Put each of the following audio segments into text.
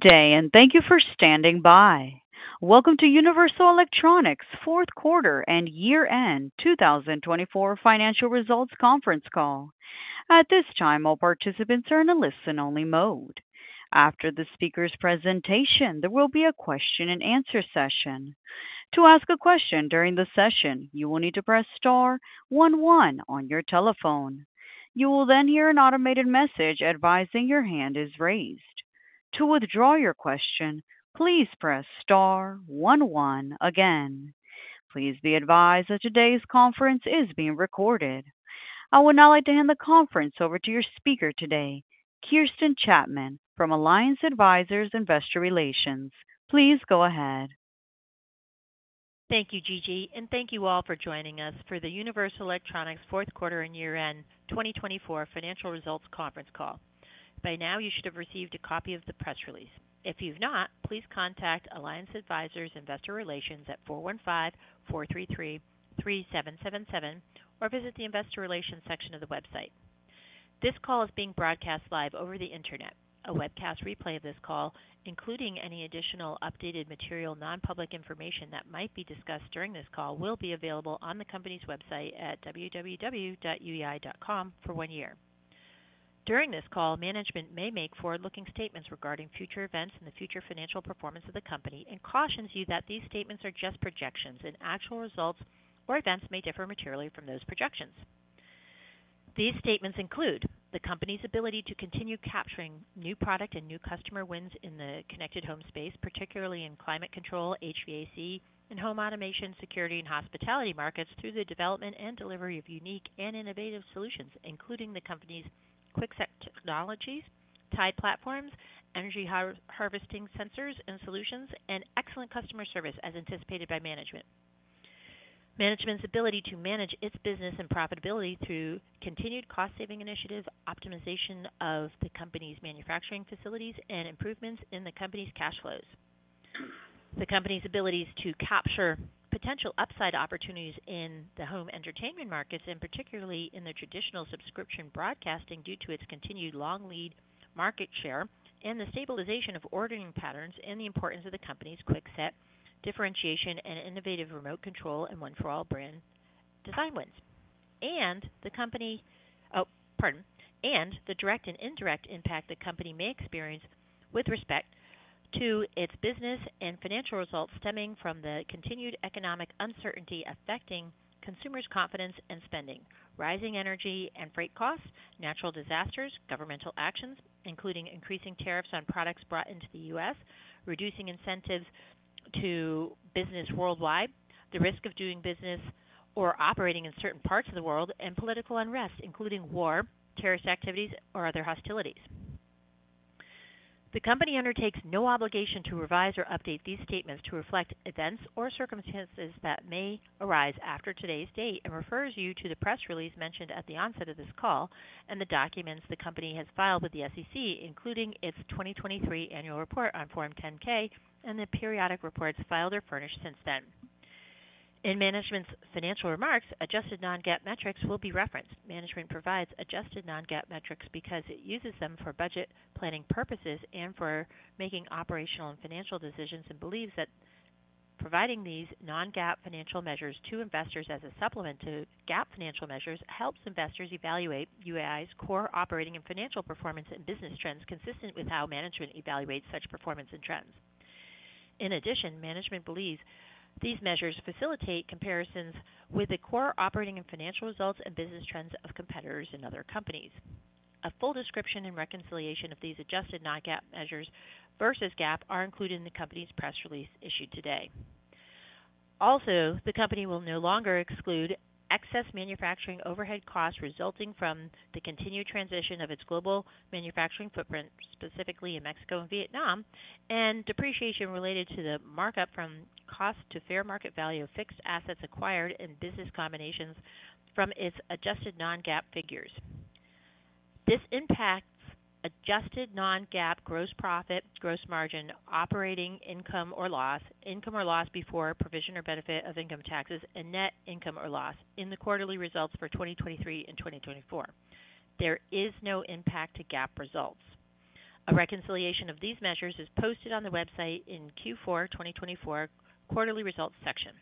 Day and thank you for standing by. Welcome to Universal Electronics' fourth quarter and year-end 2024 financial results conference call. At this time, all participants are in a listen-only mode. After the speaker's presentation, there will be a question-and-answer session. To ask a question during the session, you will need to press star one one on your telephone. You will then hear an automated message advising your hand is raised. To withdraw your question, please press star one one again. Please be advised that today's conference is being recorded. I would now like to hand the conference over to your speaker today, Kirsten Chapman, from Alliance Advisors Investor Relations. Please go ahead. Thank you, Gigi, and thank you all for joining us for the Universal Electronics fourth quarter and year-end 2024 financial results conference call. By now, you should have received a copy of the press release. If you've not, please contact Alliance Advisors Investor Relations at four one five four three three three seven seven seven or visit the investor relations section of the website. This call is being broadcast live over the internet. A webcast replay of this call, including any additional updated material, non-public information that might be discussed during this call, will be available on the company's website at www.uei.com for one year. During this call, management may make forward-looking statements regarding future events and the future financial performance of the company and cautions you that these statements are just projections and actual results or events may differ materially from those projections. These statements include the company's ability to continue capturing new product and new customer wins in the connected home space, particularly in climate control, HVAC, and home automation, security, and hospitality markets through the development and delivery of unique and innovative solutions, including the company's QuickSet technologies, TIDE platforms, energy harvesting sensors and solutions, and excellent customer service as anticipated by management. Management's ability to manage its business and profitability through continued cost-saving initiatives, optimization of the company's manufacturing facilities, and improvements in the company's cash flows. The company's abilities to capture potential upside opportunities in the home entertainment markets, and particularly in the traditional subscription broadcasting due to its continued long lead market share, and the stabilization of ordering patterns, and the importance of the company's QuickSet differentiation and innovative remote control and One For All brand design wins, and the company—oh, pardon—and the direct and indirect impact the company may experience with respect to its business and financial results stemming from the continued economic uncertainty affecting consumers' confidence and spending, rising energy and freight costs, natural disasters, governmental actions, including increasing tariffs on products brought into the U.S., reducing incentives to business worldwide, the risk of doing business or operating in certain parts of the world, and political unrest, including war, terrorist activities, or other hostilities. The company undertakes no obligation to revise or update these statements to reflect events or circumstances that may arise after today's date and refers you to the press release mentioned at the onset of this call and the documents the company has filed with the SEC, including its 2023 annual report on Form 10-K and the periodic reports filed or furnished since then. In management's financial remarks, adjusted non-GAAP metrics will be referenced. Management provides adjusted non-GAAP metrics because it uses them for budget planning purposes and for making operational and financial decisions and believes that providing these non-GAAP financial measures to investors as a supplement to GAAP financial measures helps investors evaluate UEI's core operating and financial performance and business trends consistent with how management evaluates such performance and trends. In addition, management believes these measures facilitate comparisons with the core operating and financial results and business trends of competitors and other companies. A full description and reconciliation of these adjusted non-GAAP measures versus GAAP are included in the company's press release issued today. Also, the company will no longer exclude excess manufacturing overhead costs resulting from the continued transition of its global manufacturing footprint, specifically in Mexico and Vietnam, and depreciation related to the markup from cost to fair market value of fixed assets acquired in business combinations from its adjusted non-GAAP figures. This impacts adjusted non-GAAP gross profit, gross margin, operating income or loss, income or loss before provision or benefit of income taxes, and net income or loss in the quarterly results for 2023 and 2024. There is no impact to GAAP results. A reconciliation of these measures is posted on the website in Q4 2024 quarterly results section.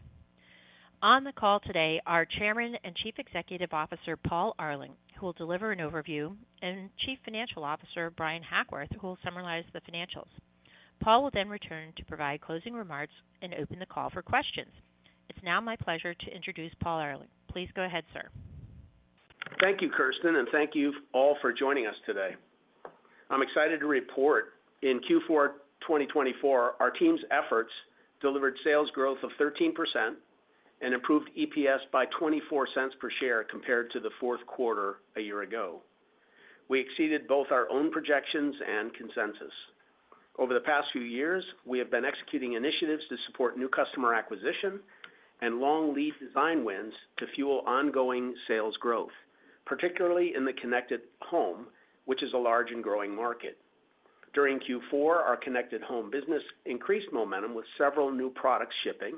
On the call today are Chairman and Chief Executive Officer Paul Arling, who will deliver an overview, and Chief Financial Officer Bryan Hackworth, who will summarize the financials. Paul will then return to provide closing remarks and open the call for questions. It's now my pleasure to introduce Paul Arling. Please go ahead, sir. Thank you, Kirsten, and thank you all for joining us today. I'm excited to report in Q4 2024, our team's efforts delivered sales growth of 13% and improved EPS by $0.24 per share compared to the fourth quarter a year ago. We exceeded both our own projections and consensus. Over the past few years, we have been executing initiatives to support new customer acquisition and long lead design wins to fuel ongoing sales growth, particularly in the connected home, which is a large and growing market. During Q4, our connected home business increased momentum with several new products shipping,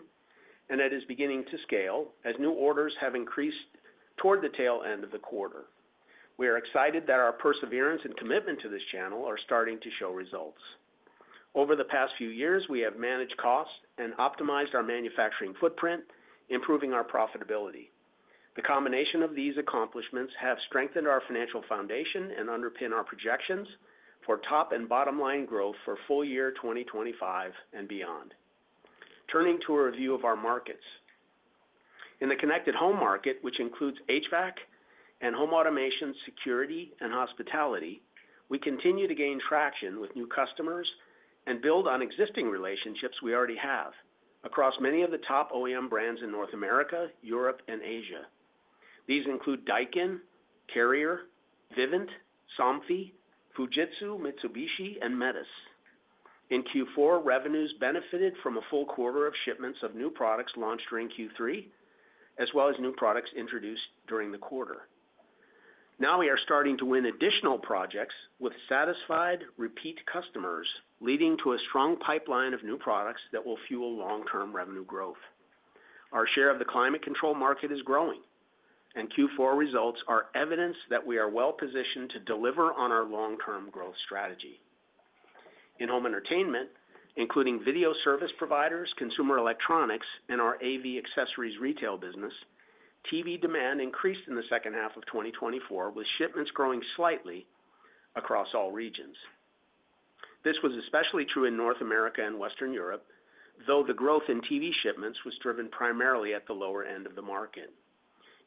and it is beginning to scale as new orders have increased toward the tail end of the quarter. We are excited that our perseverance and commitment to this channel are starting to show results. Over the past few years, we have managed costs and optimized our manufacturing footprint, improving our profitability. The combination of these accomplishments has strengthened our financial foundation and underpinned our projections for top and bottom line growth for full year 2025 and beyond. Turning to a review of our markets, in the connected home market, which includes HVAC and home automation, security, and hospitality, we continue to gain traction with new customers and build on existing relationships we already have across many of the top OEM brands in North America, Europe, and Asia. These include Daikin, Carrier, Vivint, Somfy, Fujitsu, Mitsubishi, and Metis. In Q4, revenues benefited from a full quarter of shipments of new products launched during Q3, as well as new products introduced during the quarter. Now we are starting to win additional projects with satisfied repeat customers, leading to a strong pipeline of new products that will fuel long-term revenue growth. Our share of the climate control market is growing, and Q4 results are evidence that we are well-positioned to deliver on our long-term growth strategy. In home entertainment, including video service providers, consumer electronics, and our AV accessories retail business, TV demand increased in the second half of 2024, with shipments growing slightly across all regions. This was especially true in North America and Western Europe, though the growth in TV shipments was driven primarily at the lower end of the market.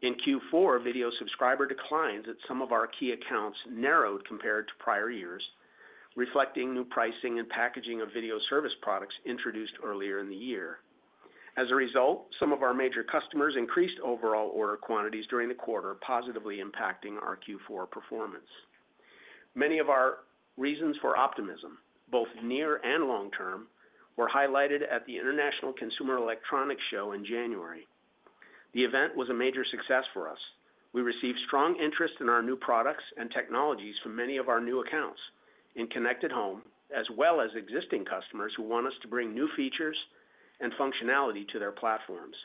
In Q4, video subscriber declines at some of our key accounts narrowed compared to prior years, reflecting new pricing and packaging of video service products introduced earlier in the year. As a result, some of our major customers increased overall order quantities during the quarter, positively impacting our Q4 performance. Many of our reasons for optimism, both near and long-term, were highlighted at the International Consumer Electronics Show in January. The event was a major success for us. We received strong interest in our new products and technologies from many of our new accounts in connected home, as well as existing customers who want us to bring new features and functionality to their platforms.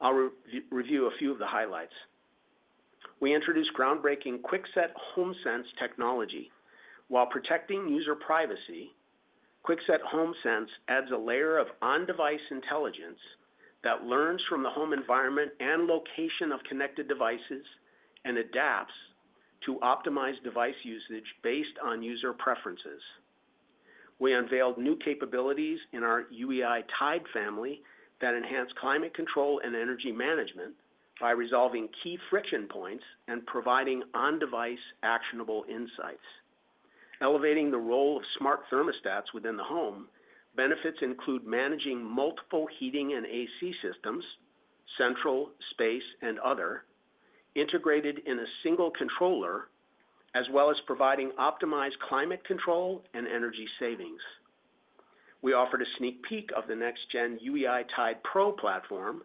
I'll review a few of the highlights. We introduced groundbreaking QuickSet homeSense technology. While protecting user privacy, QuickSet homeSense adds a layer of on-device intelligence that learns from the home environment and location of connected devices and adapts to optimize device usage based on user preferences. We unveiled new capabilities in our UEI TIDE family that enhance climate control and energy management by resolving key friction points and providing on-device actionable insights. Elevating the role of smart thermostats within the home, benefits include managing multiple heating and AC systems, central, space, and other, integrated in a single controller, as well as providing optimized climate control and energy savings. We offered a sneak peek of the next-gen UEI TIDE Pro platform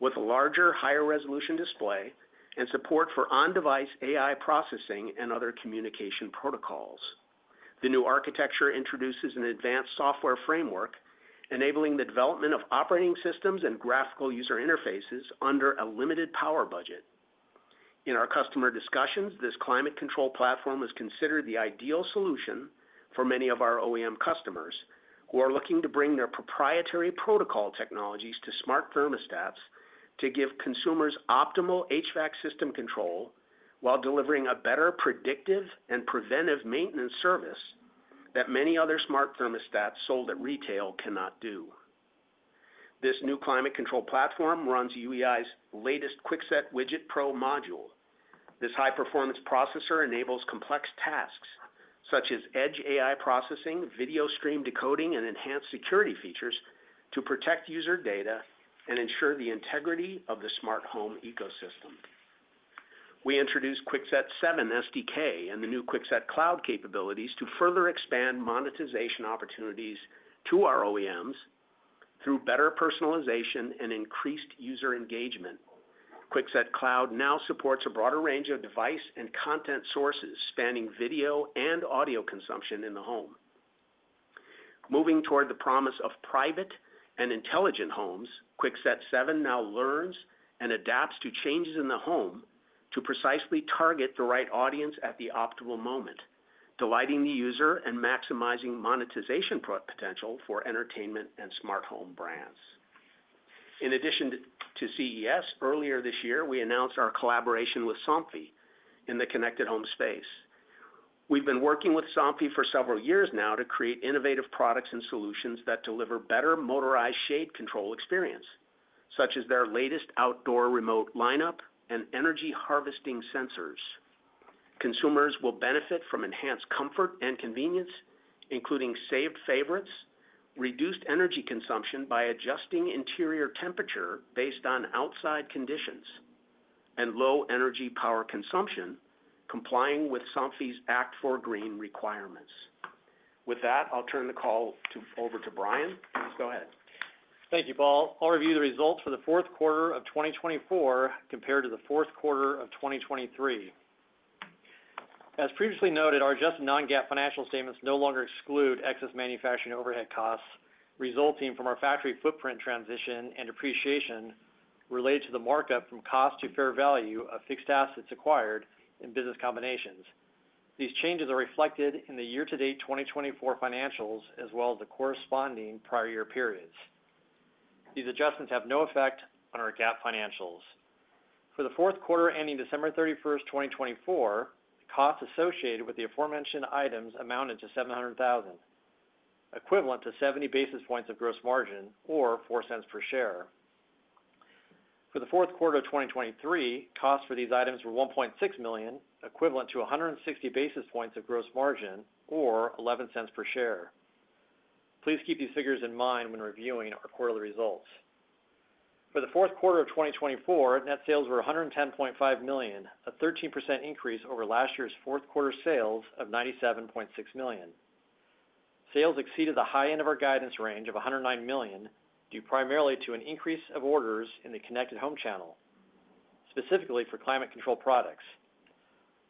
with a larger, higher-resolution display and support for on-device AI processing and other communication protocols. The new architecture introduces an advanced software framework, enabling the development of operating systems and graphical user interfaces under a limited power budget. In our customer discussions, this climate control platform is considered the ideal solution for many of our OEM customers who are looking to bring their proprietary protocol technologies to smart thermostats to give consumers optimal HVAC system control while delivering a better predictive and preventive maintenance service that many other smart thermostats sold at retail cannot do. This new climate control platform runs UEI's latest QuickSet Widget Pro module. This high-performance processor enables complex tasks such as edge AI processing, video stream decoding, and enhanced security features to protect user data and ensure the integrity of the smart home ecosystem. We introduced QuickSet 7 SDK and the new QuickSet Cloud capabilities to further expand monetization opportunities to our OEMs through better personalization and increased user engagement. QuickSet Cloud now supports a broader range of device and content sources spanning video and audio consumption in the home. Moving toward the promise of private and intelligent homes, QuickSet 7 now learns and adapts to changes in the home to precisely target the right audience at the optimal moment, delighting the user and maximizing monetization potential for entertainment and smart home brands. In addition to CES, earlier this year, we announced our collaboration with Somfy in the connected home space. We've been working with Somfy for several years now to create innovative products and solutions that deliver better motorized shade control experience, such as their latest outdoor remote lineup and energy harvesting sensors. Consumers will benefit from enhanced comfort and convenience, including saved favorites, reduced energy consumption by adjusting interior temperature based on outside conditions, and low energy power consumption, complying with Somfy's Act for Green requirements. With that, I'll turn the call over to Bryan. Please go ahead. Thank you, Paul. I'll review the results for the fourth quarter of 2024 compared to the fourth quarter of 2023. As previously noted, our adjusted non-GAAP financial statements no longer exclude excess manufacturing overhead costs resulting from our factory footprint transition and depreciation related to the markup from cost to fair value of fixed assets acquired in business combinations. These changes are reflected in the year-to-date 2024 financials, as well as the corresponding prior year periods. These adjustments have no effect on our GAAP financials. For the fourth quarter ending December 31st, 2024, costs associated with the aforementioned items amounted to $700,000, equivalent to 70 basis points of gross margin or $0.04 per share. For the fourth quarter of 2023, costs for these items were $1.6 million, equivalent to 160 basis points of gross margin or $0.11 per share. Please keep these figures in mind when reviewing our quarterly results. For the fourth quarter of 2024, net sales were $110.5 million, a 13% increase over last year's fourth quarter sales of $97.6 million. Sales exceeded the high end of our guidance range of $109 million due primarily to an increase of orders in the connected home channel, specifically for climate control products.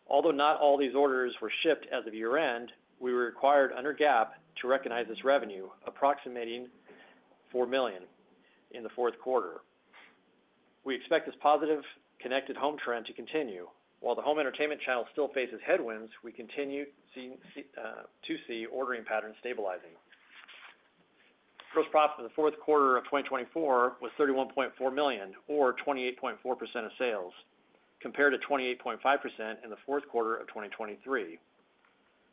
Although not all these orders were shipped as of year-end, we were required under GAAP to recognize this revenue, approximating $4 million in the fourth quarter. We expect this positive connected home trend to continue. While the home entertainment channel still faces headwinds, we continue to see ordering patterns stabilizing. Gross profit for the fourth quarter of 2024 was $31.4 million, or 28.4% of sales, compared to 28.5% in the fourth quarter of 2023.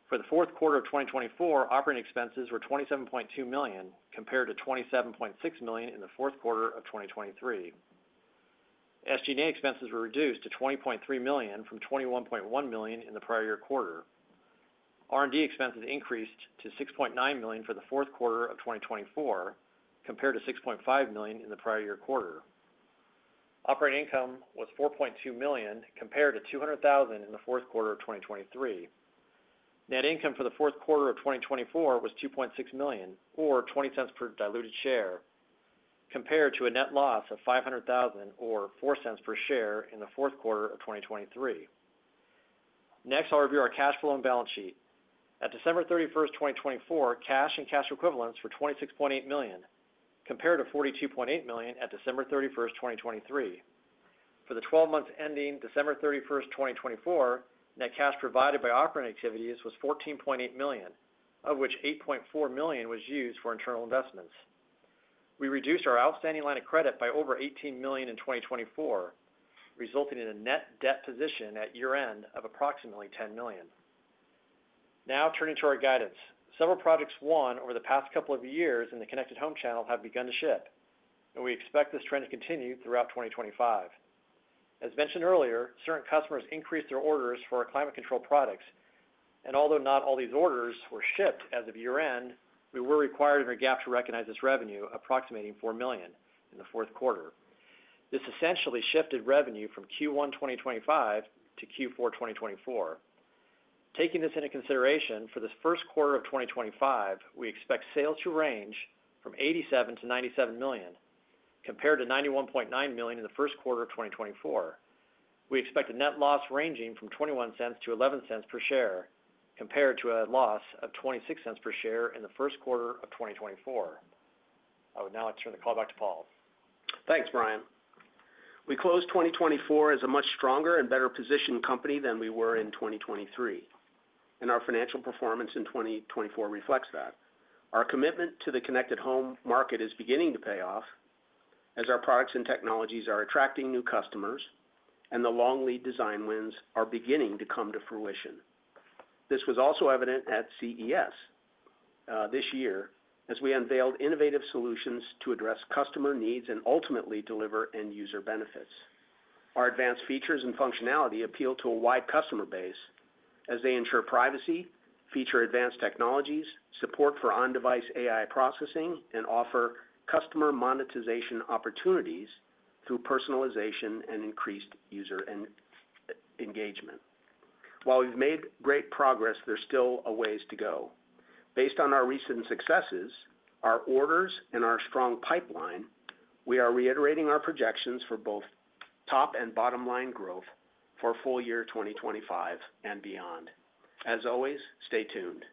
For the fourth quarter of 2024, operating expenses were $27.2 million, compared to $27.6 million in the fourth quarter of 2023. SG&A expenses were reduced to $20.3 million from $21.1 million in the prior year quarter. R&D expenses increased to $6.9 million for the fourth quarter of 2024, compared to $6.5 million in the prior year quarter. Operating income was $4.2 million, compared to $200,000 in the fourth quarter of 2023. Net income for the fourth quarter of 2024 was $2.6 million, or $0.20 per diluted share, compared to a net loss of $500,000, or $0.04 per share in the fourth quarter of 2023. Next, I'll review our cash flow and balance sheet. At December 31st, 2024, cash and cash equivalents were $26.8 million, compared to $42.8 million at December 31st, 2023. For the 12 months ending December 31st, 2024, net cash provided by operating activities was $14.8 million, of which $8.4 million was used for internal investments. We reduced our outstanding line of credit by over $18 million in 2024, resulting in a net debt position at year-end of approximately $10 million. Now, turning to our guidance, several projects won over the past couple of years in the connected home channel have begun to ship, and we expect this trend to continue throughout 2025. As mentioned earlier, certain customers increased their orders for our climate control products, and although not all these orders were shipped as of year-end, we were required under GAAP to recognize this revenue, approximating $4 million in the fourth quarter. This essentially shifted revenue from Q1 2025 to Q4 2024. Taking this into consideration, for the first quarter of 2025, we expect sales to range from $87 million-$97 million, compared to $91.9 million in the first quarter of 2024. We expect a net loss ranging from $0.21-$0.11 per share, compared to a loss of $0.26 per share in the first quarter of 2024. I would now like to turn the call back to Paul. Thanks, Bryan. We closed 2024 as a much stronger and better-positioned company than we were in 2023, and our financial performance in 2024 reflects that. Our commitment to the connected home market is beginning to pay off as our products and technologies are attracting new customers, and the long lead design wins are beginning to come to fruition. This was also evident at CES this year as we unveiled innovative solutions to address customer needs and ultimately deliver end-user benefits. Our advanced features and functionality appeal to a wide customer base as they ensure privacy, feature advanced technologies, support for on-device AI processing, and offer customer monetization opportunities through personalization and increased user engagement. While we've made great progress, there's still a ways to go. Based on our recent successes, our orders, and our strong pipeline, we are reiterating our projections for both top and bottom line growth for full year 2025 and beyond. As always, stay tuned.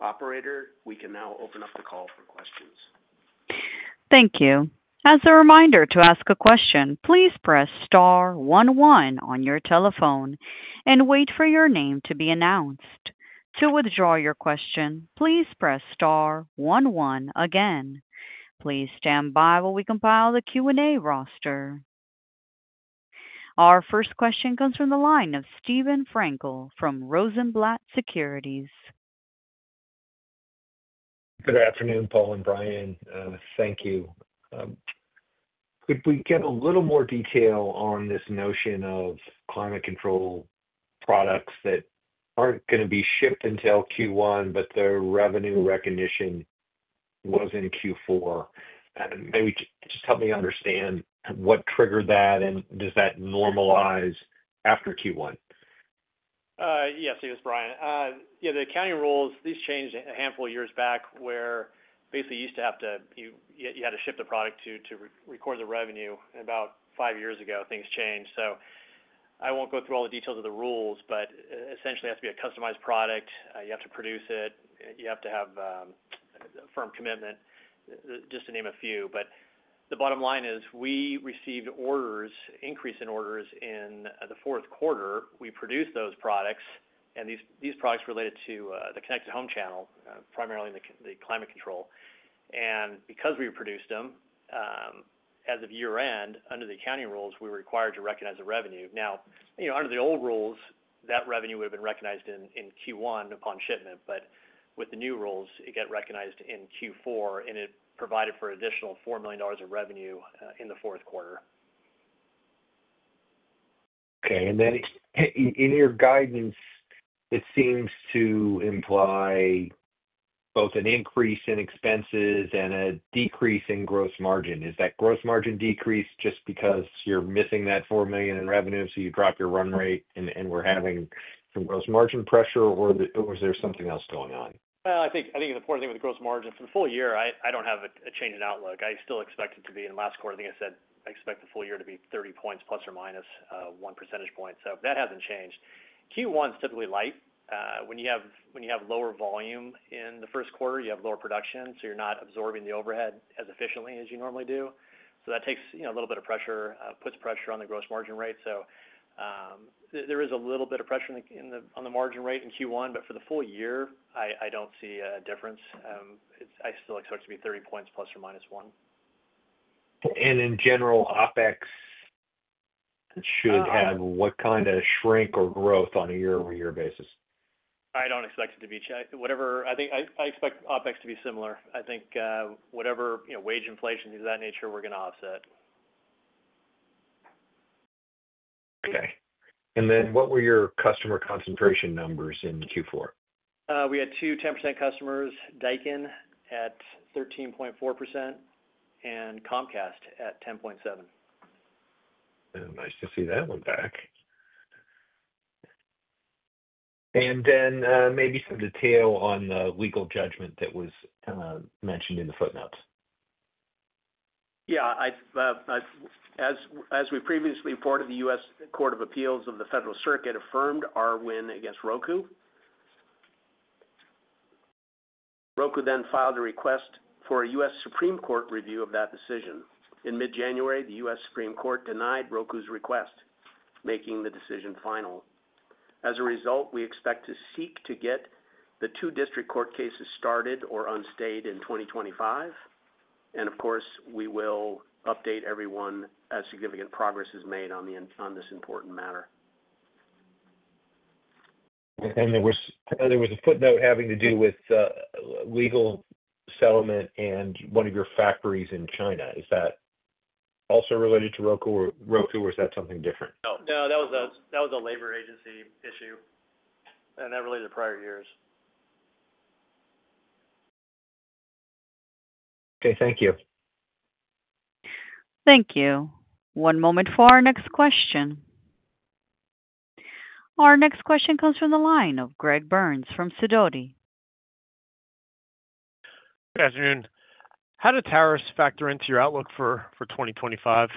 Operator, we can now open up the call for questions. Thank you. As a reminder to ask a question, please press star one one on your telephone and wait for your name to be announced. To withdraw your question, please press star one one again. Please stand by while we compile the Q&A roster. Our first question comes from the line of Steven Frankel from Rosenblatt Securities. Good afternoon, Paul and Bryan. Thank you. Could we get a little more detail on this notion of climate control products that aren't going to be shipped until Q1, but their revenue recognition was in Q4? Maybe just help me understand what triggered that, and does that normalize after Q1? Yes, it is, Bryan. Yeah, the accounting rules, these changed a handful of years back where basically you used to have to, you had to ship the product to record the revenue. About five years ago, things changed. I won't go through all the details of the rules, but essentially it has to be a customized product. You have to produce it. You have to have a firm commitment, just to name a few. The bottom line is we received orders, increase in orders in the fourth quarter. We produced those products, and these products related to the connected home channel, primarily the climate control. Because we produced them as of year-end, under the accounting rules, we were required to recognize the revenue. Now, under the old rules, that revenue would have been recognized in Q1 upon shipment, but with the new rules, it got recognized in Q4, and it provided for an additional $4 million of revenue in the fourth quarter. Okay. In your guidance, it seems to imply both an increase in expenses and a decrease in gross margin. Is that gross margin decrease just because you're missing that $4 million in revenue, so you drop your run rate, and we're having some gross margin pressure, or is there something else going on? I think the important thing with the gross margin for the full year, I do not have a change in outlook. I still expect it to be in the last quarter. I think I said I expect the full year to be 30 points ±1 percentage point. That has not changed. Q1 is typically light. When you have lower volume in the first quarter, you have lower production, so you are not absorbing the overhead as efficiently as you normally do. That takes a little bit of pressure, puts pressure on the gross margin rate. There is a little bit of pressure on the margin rate in Q1, but for the full year, I do not see a difference. I still expect it to be 30 points ±1 percentage point. In general, OpEx should have what kind of shrink or growth on a year-over-year basis? I don't expect it to be whatever. I expect OpEx to be similar. I think whatever wage inflation is of that nature, we're going to offset. Okay. What were your customer concentration numbers in Q4? We had two 10% customers, Daikin at 13.4%, and Comcast at 10.7%. Nice to see that one back. Maybe some detail on the legal judgment that was mentioned in the footnotes. Yeah. As we previously reported, the U.S. Court of Appeals of the Federal Circuit affirmed our win against Roku. Roku then filed a request for a U.S. Supreme Court review of that decision. In mid-January, the U.S. Supreme Court denied Roku's request, making the decision final. As a result, we expect to seek to get the two district court cases started or unstayed in 2025. Of course, we will update everyone as significant progress is made on this important matter. There was a footnote having to do with legal settlement and one of your factories in China. Is that also related to Roku, or is that something different? No. No, that was a labor agency issue, and that related to prior years. Okay. Thank you. Thank you. One moment for our next question. Our next question comes from the line of Greg Burns from Sidoti. Good afternoon. How do tariffs factor into your outlook for 2025?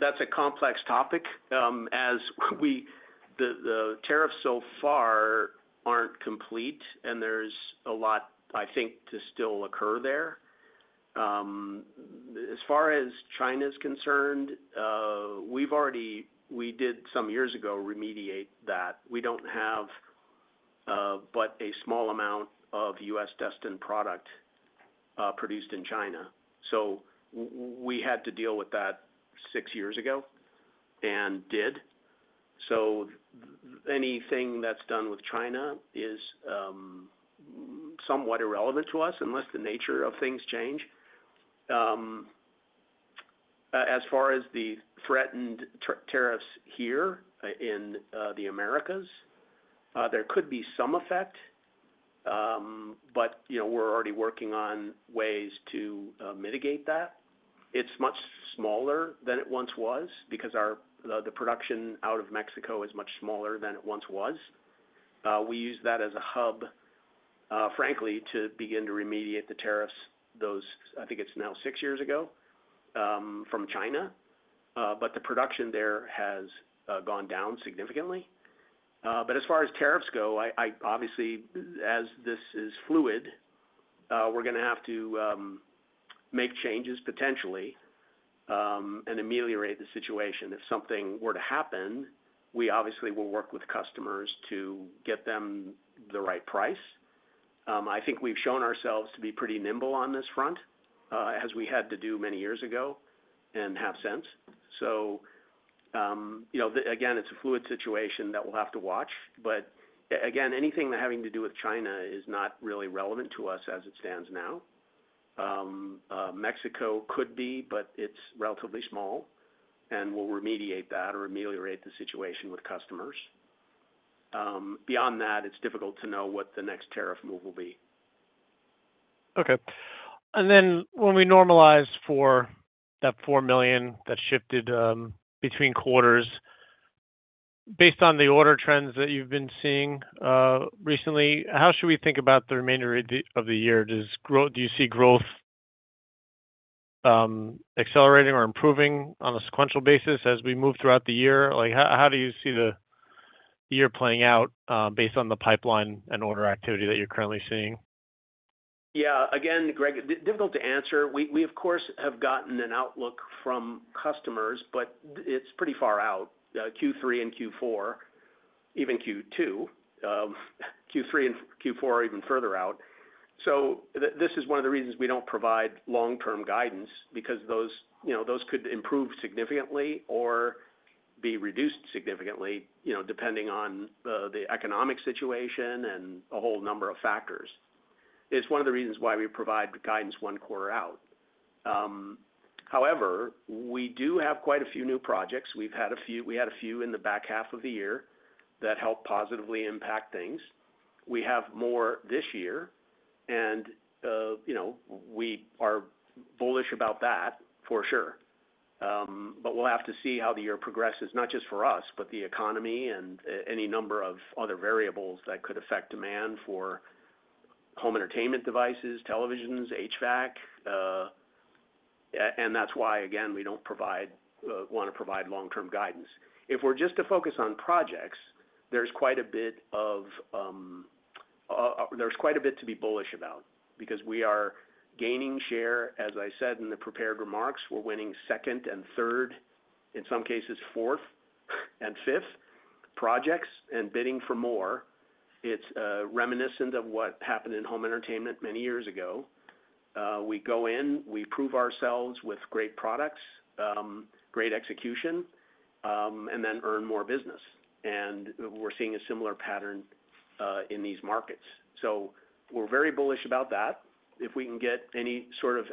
That's a complex topic. The tariffs so far aren't complete, and there's a lot, I think, to still occur there. As far as China is concerned, we did some years ago remediate that. We don't have but a small amount of U.S. destined product produced in China. We had to deal with that six years ago and did. Anything that's done with China is somewhat irrelevant to us unless the nature of things change. As far as the threatened tariffs here in the Americas, there could be some effect, but we're already working on ways to mitigate that. It's much smaller than it once was because the production out of Mexico is much smaller than it once was. We use that as a hub, frankly, to begin to remediate the tariffs. I think it's now six years ago from China, but the production there has gone down significantly. As far as tariffs go, obviously, as this is fluid, we're going to have to make changes potentially and ameliorate the situation. If something were to happen, we obviously will work with customers to get them the right price. I think we've shown ourselves to be pretty nimble on this front as we had to do many years ago and have since. Again, it's a fluid situation that we'll have to watch. Anything having to do with China is not really relevant to us as it stands now. Mexico could be, but it's relatively small, and we'll remediate that or ameliorate the situation with customers. Beyond that, it's difficult to know what the next tariff move will be. Okay. When we normalize for that $4 million that shifted between quarters, based on the order trends that you've been seeing recently, how should we think about the remainder of the year? Do you see growth accelerating or improving on a sequential basis as we move throughout the year? How do you see the year playing out based on the pipeline and order activity that you're currently seeing? Yeah. Again, Greg, difficult to answer. We, of course, have gotten an outlook from customers, but it's pretty far out, Q3 and Q4, even Q2. Q3 and Q4 are even further out. This is one of the reasons we don't provide long-term guidance because those could improve significantly or be reduced significantly depending on the economic situation and a whole number of factors. It's one of the reasons why we provide guidance one quarter out. However, we do have quite a few new projects. We had a few in the back half of the year that helped positively impact things. We have more this year, and we are bullish about that for sure. We'll have to see how the year progresses, not just for us, but the economy and any number of other variables that could affect demand for home entertainment devices, televisions, HVAC. That is why, again, we do not want to provide long-term guidance. If we are just to focus on projects, there is quite a bit to be bullish about because we are gaining share. As I said in the prepared remarks, we are winning second and third, in some cases fourth and fifth projects and bidding for more. It is reminiscent of what happened in home entertainment many years ago. We go in, we prove ourselves with great products, great execution, and then earn more business. We are seeing a similar pattern in these markets. We are very bullish about that. If we can get any sort of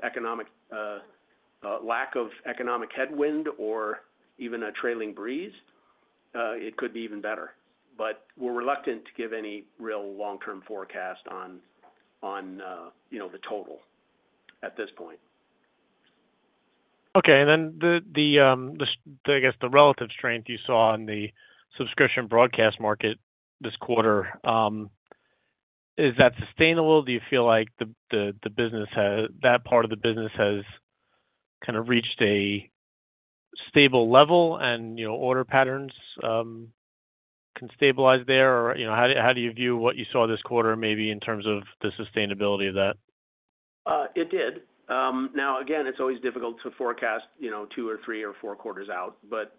lack of economic headwind or even a trailing breeze, it could be even better. We are reluctant to give any real long-term forecast on the total at this point. Okay. I guess the relative strength you saw in the subscription broadcast market this quarter, is that sustainable? Do you feel like that part of the business has kind of reached a stable level and order patterns can stabilize there? How do you view what you saw this quarter maybe in terms of the sustainability of that? It did. Now, again, it's always difficult to forecast two or three or four quarters out, but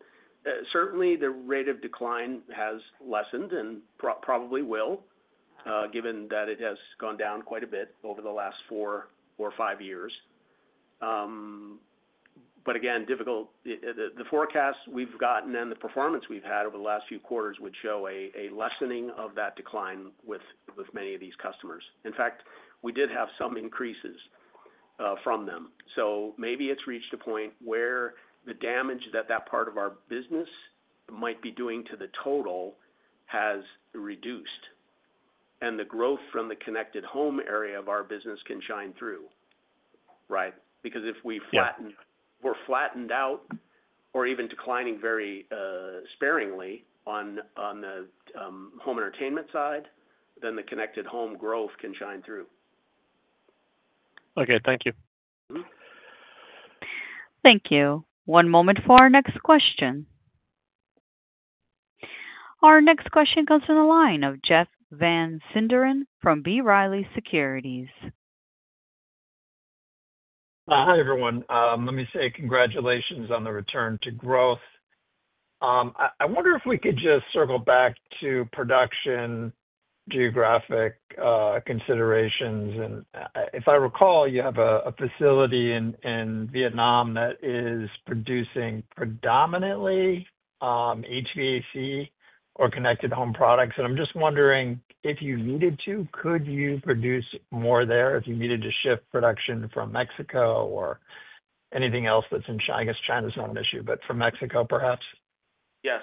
certainly the rate of decline has lessened and probably will given that it has gone down quite a bit over the last four or five years. Again, difficult. The forecast we've gotten and the performance we've had over the last few quarters would show a lessening of that decline with many of these customers. In fact, we did have some increases from them. Maybe it's reached a point where the damage that that part of our business might be doing to the total has reduced, and the growth from the connected home area of our business can shine through, right? Because if we're flattened out or even declining very sparingly on the home entertainment side, then the connected home growth can shine through. Okay. Thank you. Thank you. One moment for our next question. Our next question comes from the line of Jeff Van Sinderen from B. Riley Securities. Hi, everyone. Let me say congratulations on the return to growth. I wonder if we could just circle back to production geographic considerations. If I recall, you have a facility in Vietnam that is producing predominantly HVAC or connected home products. I'm just wondering if you needed to, could you produce more there if you needed to shift production from Mexico or anything else that's in China? I guess China's not an issue, but from Mexico, perhaps? Yes.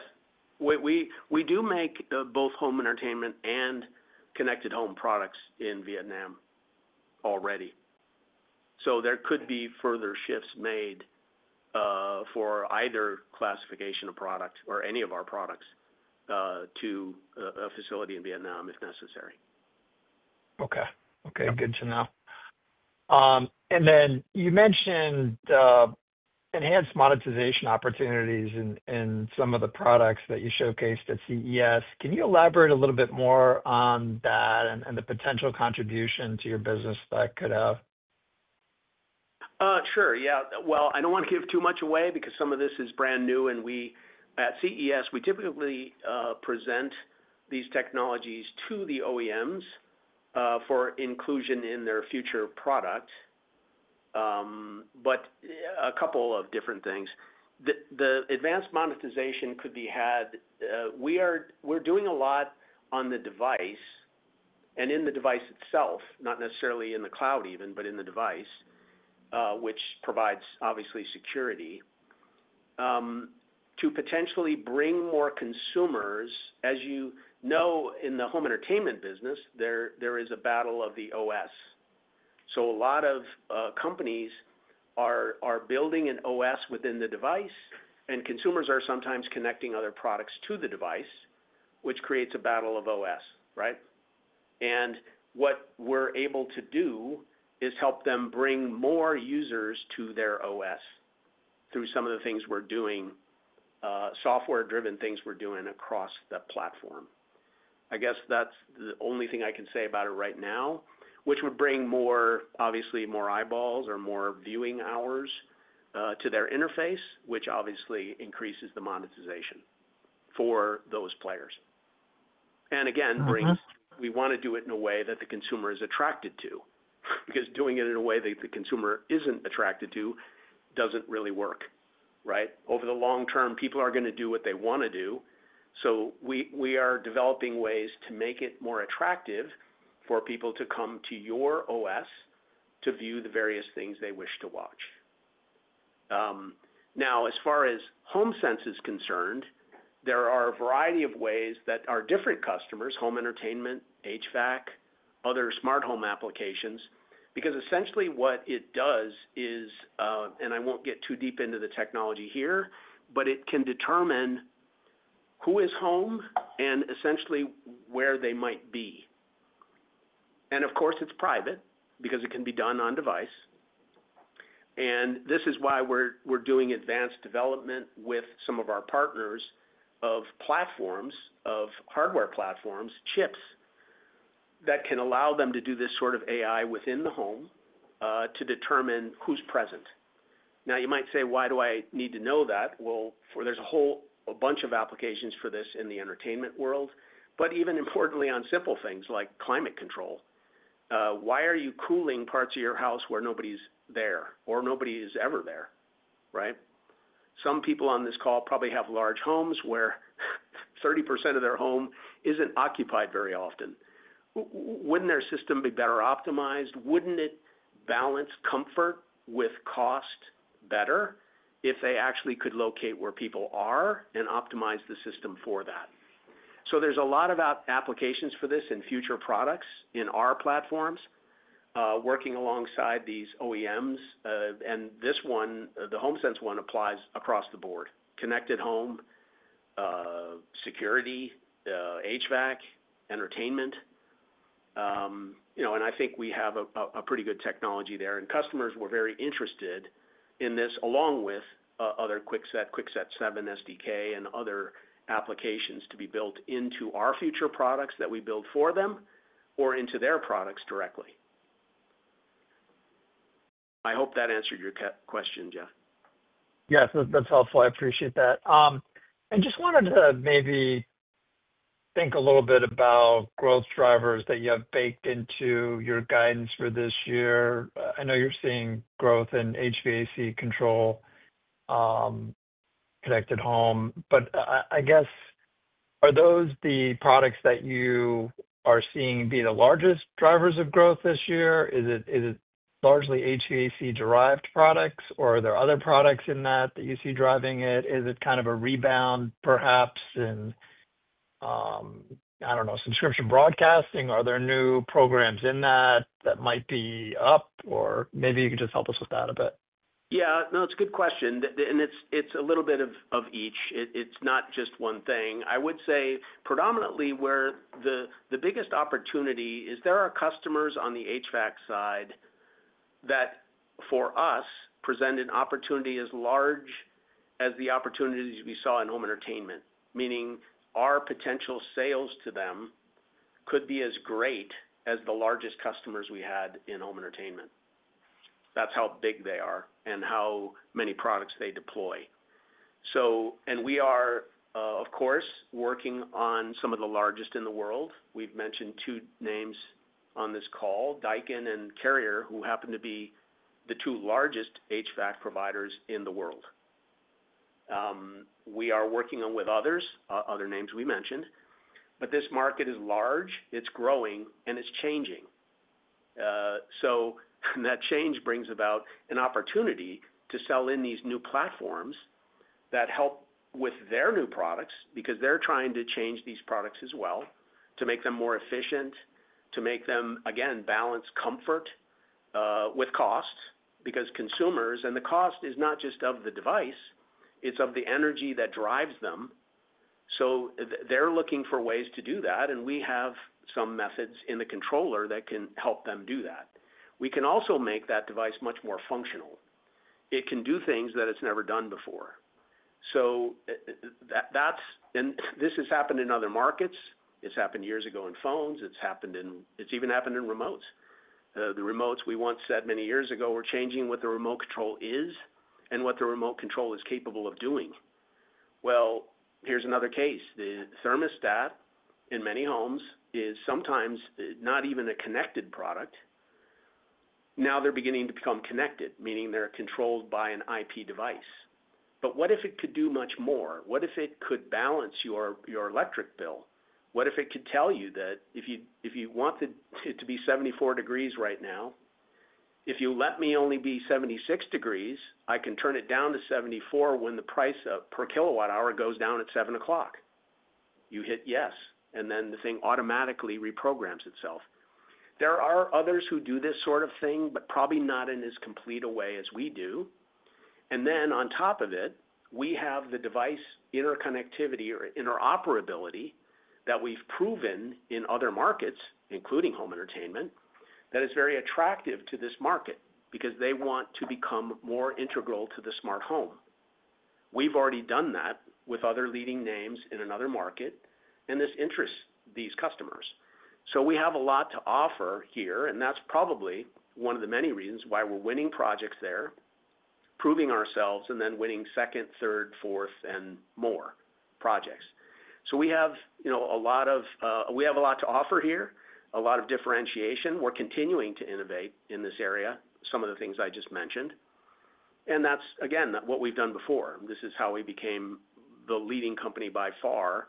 We do make both home entertainment and connected home products in Vietnam already. There could be further shifts made for either classification of product or any of our products to a facility in Vietnam if necessary. Okay. Okay. Good to know. You mentioned enhanced monetization opportunities in some of the products that you showcased at CES. Can you elaborate a little bit more on that and the potential contribution to your business that could have? Sure. Yeah. I do not want to give too much away because some of this is brand new. At CES, we typically present these technologies to the OEMs for inclusion in their future product, but a couple of different things. The advanced monetization could be had. We are doing a lot on the device and in the device itself, not necessarily in the cloud even, but in the device, which provides obviously security to potentially bring more consumers. As you know, in the home entertainment business, there is a battle of the OS. A lot of companies are building an OS within the device, and consumers are sometimes connecting other products to the device, which creates a battle of OS, right? What we are able to do is help them bring more users to their OS through some of the things we are doing, software-driven things we are doing across the platform. I guess that is the only thing I can say about it right now, which would bring obviously more eyeballs or more viewing hours to their interface, which obviously increases the monetization for those players. Again, we want to do it in a way that the consumer is attracted to because doing it in a way that the consumer is not attracted to does not really work, right? Over the long term, people are going to do what they want to do. We are developing ways to make it more attractive for people to come to your OS to view the various things they wish to watch. Now, as far as homeSense is concerned, there are a variety of ways that our different customers, home entertainment, HVAC, other smart home applications, because essentially what it does is, and I won't get too deep into the technology here, but it can determine who is home and essentially where they might be. Of course, it's private because it can be done on-device. This is why we're doing advanced development with some of our partners of platforms, of hardware platforms, chips that can allow them to do this sort of AI within the home to determine who's present. Now, you might say, "Why do I need to know that?" There is a whole bunch of applications for this in the entertainment world, but even importantly on simple things like climate control. Why are you cooling parts of your house where nobody's there or nobody is ever there, right? Some people on this call probably have large homes where 30% of their home isn't occupied very often. Wouldn't their system be better optimized? Wouldn't it balance comfort with cost better if they actually could locate where people are and optimize the system for that? There is a lot of applications for this in future products in our platforms working alongside these OEMs. This one, the homeSense one, applies across the board: connected home, security, HVAC, entertainment. I think we have a pretty good technology there. Customers were very interested in this along with other QuickSet, QuickSet 7 SDK, and other applications to be built into our future products that we build for them or into their products directly. I hope that answered your question, Jeff. Yes. That's helpful. I appreciate that. I just wanted to maybe think a little bit about growth drivers that you have baked into your guidance for this year. I know you're seeing growth in HVAC control, connected home, but I guess are those the products that you are seeing be the largest drivers of growth this year? Is it largely HVAC-derived products, or are there other products in that that you see driving it? Is it kind of a rebound perhaps in, I don't know, subscription broadcasting? Are there new programs in that that might be up, or maybe you could just help us with that a bit? Yeah. No, it's a good question. It's a little bit of each. It's not just one thing. I would say predominantly where the biggest opportunity is there are customers on the HVAC side that for us present an opportunity as large as the opportunities we saw in home entertainment, meaning our potential sales to them could be as great as the largest customers we had in home entertainment. That's how big they are and how many products they deploy. We are, of course, working on some of the largest in the world. We've mentioned two names on this call, Daikin and Carrier, who happen to be the two largest HVAC providers in the world. We are working on with others, other names we mentioned, but this market is large, it's growing, and it's changing. That change brings about an opportunity to sell in these new platforms that help with their new products because they're trying to change these products as well to make them more efficient, to make them, again, balance comfort with cost because consumers and the cost is not just of the device, it's of the energy that drives them. They are looking for ways to do that, and we have some methods in the controller that can help them do that. We can also make that device much more functional. It can do things that it's never done before. This has happened in other markets. It happened years ago in phones. It even happened in remotes. The remotes we once said many years ago were changing what the remote control is and what the remote control is capable of doing. Here is another case. The thermostat in many homes is sometimes not even a connected product. Now they're beginning to become connected, meaning they're controlled by an IP device. What if it could do much more? What if it could balance your electric bill? What if it could tell you that if you want it to be 74 degrees right now, if you let me only be 76 degrees, I can turn it down to 74 degrees when the price per kilowatt hour goes down at 7:00 o'clock, you hit yes, and then the thing automatically reprograms itself. There are others who do this sort of thing, but probably not in as complete a way as we do. We have the device interconnectivity or interoperability that we've proven in other markets, including home entertainment, that is very attractive to this market because they want to become more integral to the smart home. We've already done that with other leading names in another market, and this interests these customers. We have a lot to offer here, and that's probably one of the many reasons why we're winning projects there, proving ourselves, and then winning second, third, fourth, and more projects. We have a lot to offer here, a lot of differentiation. We're continuing to innovate in this area, some of the things I just mentioned. That's, again, what we've done before. This is how we became the leading company by far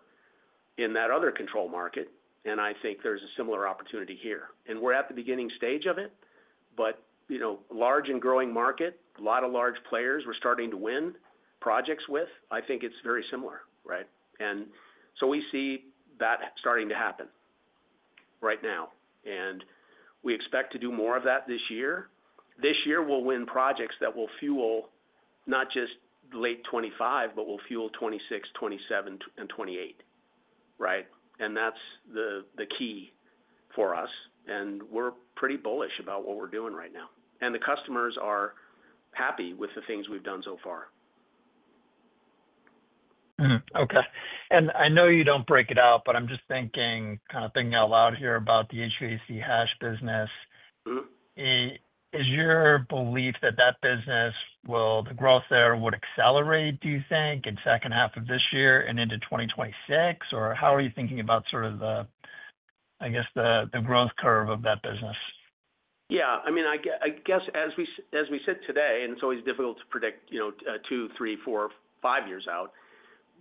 in that other control market, and I think there's a similar opportunity here. We're at the beginning stage of it, but large and growing market, a lot of large players we're starting to win projects with. I think it's very similar, right? We see that starting to happen right now, and we expect to do more of that this year. This year, we'll win projects that will fuel not just late 2025, but will fuel 2026, 2027, and 2028, right? That's the key for us, and we're pretty bullish about what we're doing right now. The customers are happy with the things we've done so far. Okay. I know you do not break it out, but I am just kind of thinking out loud here about the HVAC business. Is your belief that that business, the growth there, would accelerate, do you think, in the second half of this year and into 2026? How are you thinking about sort of the, I guess, the growth curve of that business? Yeah. I mean, I guess as we sit today, and it's always difficult to predict two, three, four, five years out,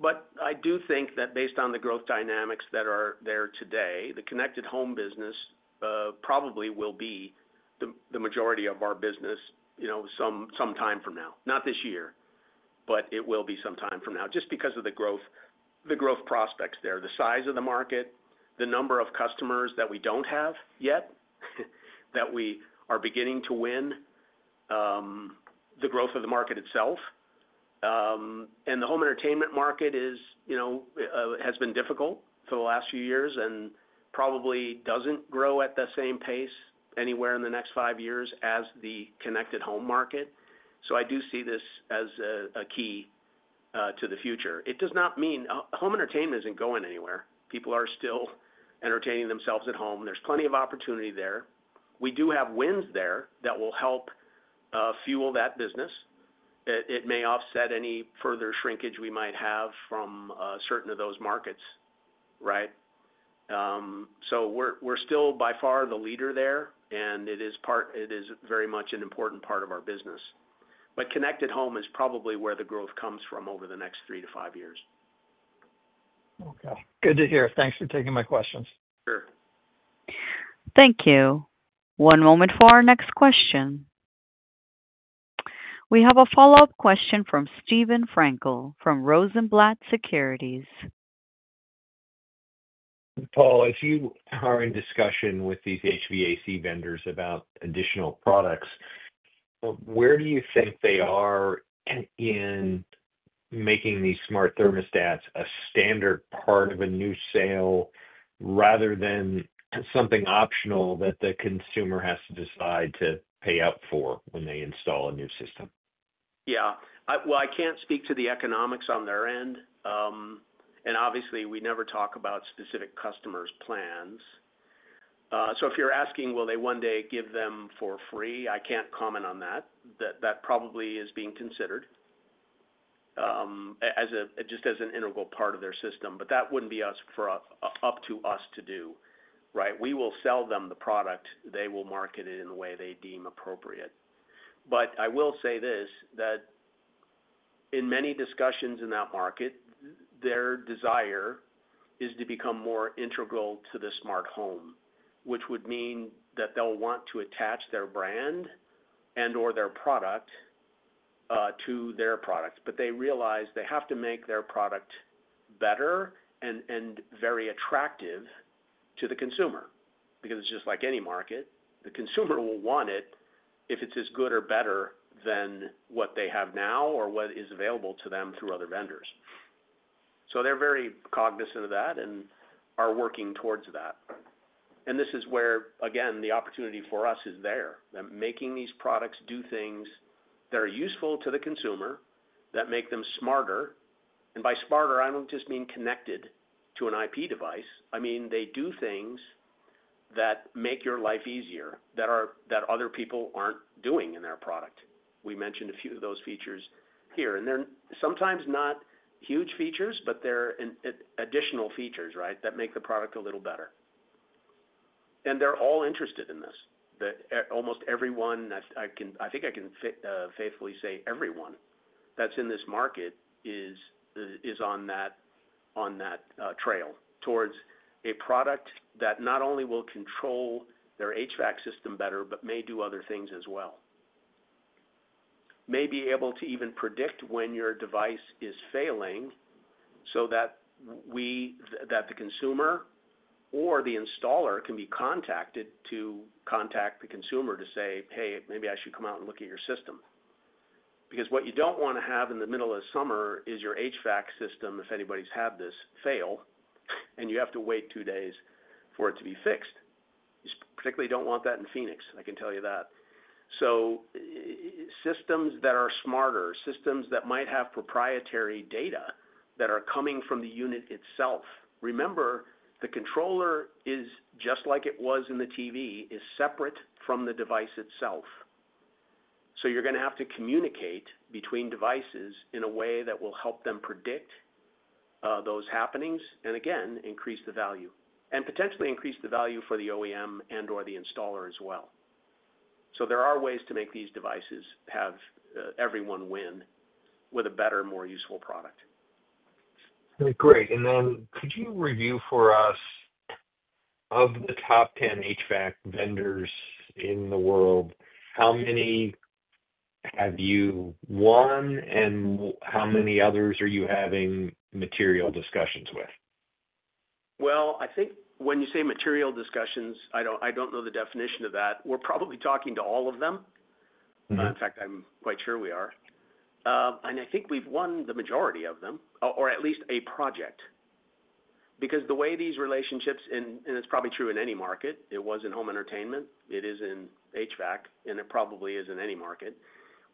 but I do think that based on the growth dynamics that are there today, the connected home business probably will be the majority of our business some time from now. Not this year, but it will be some time from now just because of the growth prospects there, the size of the market, the number of customers that we don't have yet that we are beginning to win, the growth of the market itself. The home entertainment market has been difficult for the last few years and probably doesn't grow at the same pace anywhere in the next five years as the connected home market. I do see this as a key to the future. It does not mean home entertainment isn't going anywhere. People are still entertaining themselves at home. There's plenty of opportunity there. We do have wins there that will help fuel that business. It may offset any further shrinkage we might have from certain of those markets, right? We are still by far the leader there, and it is very much an important part of our business. Connected home is probably where the growth comes from over the next three to five years. Okay. Good to hear. Thanks for taking my questions. Sure. Thank you. One moment for our next question. We have a follow-up question from Steven Frankel from Rosenblatt Securities. Paul, if you are in discussion with these HVAC vendors about additional products, where do you think they are in making these smart thermostats a standard part of a new sale rather than something optional that the consumer has to decide to pay up for when they install a new system? Yeah. I can't speak to the economics on their end. Obviously, we never talk about specific customers' plans. If you're asking, will they one day give them for free, I can't comment on that. That probably is being considered just as an integral part of their system, but that wouldn't be up to us to do, right? We will sell them the product. They will market it in the way they deem appropriate. I will say this: in many discussions in that market, their desire is to become more integral to the smart home, which would mean that they'll want to attach their brand and/or their product to their product. They realize they have to make their product better and very attractive to the consumer because it's just like any market. The consumer will want it if it's as good or better than what they have now or what is available to them through other vendors. They are very cognizant of that and are working towards that. This is where, again, the opportunity for us is there, making these products do things that are useful to the consumer, that make them smarter. By smarter, I don't just mean connected to an IP device. I mean they do things that make your life easier that other people aren't doing in their product. We mentioned a few of those features here. They are sometimes not huge features, but they are additional features, right, that make the product a little better. They are all interested in this. Almost everyone—I think I can faithfully say everyone that's in this market is on that trail towards a product that not only will control their HVAC system better but may do other things as well. May be able to even predict when your device is failing so that the consumer or the installer can be contacted to contact the consumer to say, "Hey, maybe I should come out and look at your system." Because what you don't want to have in the middle of summer is your HVAC system, if anybody's had this, fail, and you have to wait two days for it to be fixed. You particularly don't want that in Phoenix. I can tell you that. Systems that are smarter, systems that might have proprietary data that are coming from the unit itself—remember, the controller, just like it was in the TV, is separate from the device itself. You're going to have to communicate between devices in a way that will help them predict those happenings and, again, increase the value and potentially increase the value for the OEM and/or the installer as well. There are ways to make these devices have everyone win with a better, more useful product. Great. Could you review for us, of the top 10 HVAC vendors in the world, how many have you won and how many others are you having material discussions with? I think when you say material discussions, I don't know the definition of that. We're probably talking to all of them. In fact, I'm quite sure we are. I think we've won the majority of them, or at least a project. Because the way these relationships—and it's probably true in any market. It was in home entertainment. It is in HVAC, and it probably is in any market.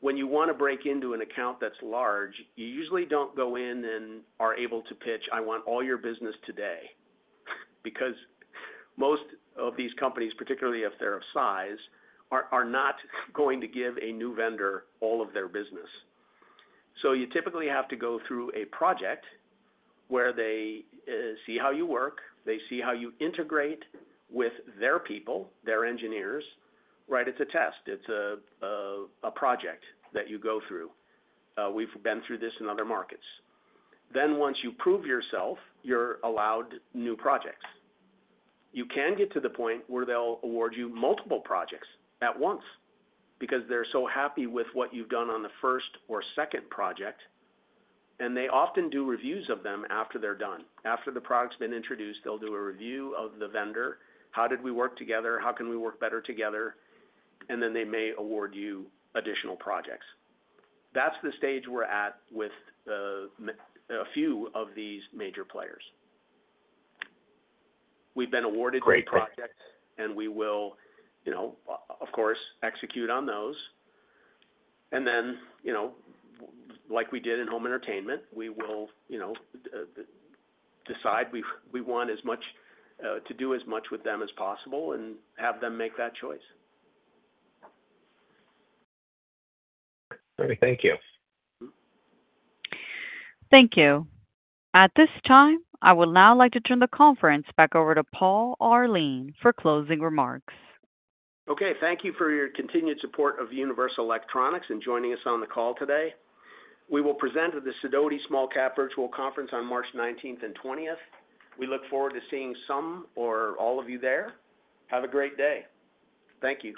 When you want to break into an account that's large, you usually don't go in and are able to pitch, "I want all your business today," because most of these companies, particularly if they're of size, are not going to give a new vendor all of their business. You typically have to go through a project where they see how you work. They see how you integrate with their people, their engineers, right? It's a test. It's a project that you go through. We've been through this in other markets. Once you prove yourself, you're allowed new projects. You can get to the point where they'll award you multiple projects at once because they're so happy with what you've done on the first or second project. They often do reviews of them after they're done. After the product's been introduced, they'll do a review of the vendor. How did we work together? How can we work better together? They may award you additional projects. That's the stage we're at with a few of these major players. We've been awarded new projects, and we will, of course, execute on those. Like we did in home entertainment, we will decide we want to do as much with them as possible and have them make that choice. Great. Thank you. Thank you. At this time, I would now like to turn the conference back over to Paul Arling for closing remarks. Okay. Thank you for your continued support of Universal Electronics and joining us on the call today. We will present at the Sidoti Small-Cap Virtual Conference on March 19th and 20th. We look forward to seeing some or all of you there. Have a great day. Thank you.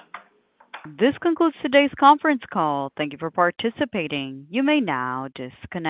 This concludes today's conference call. Thank you for participating. You may now disconnect.